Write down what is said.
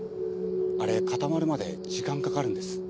あれ固まるまで時間かかるんです。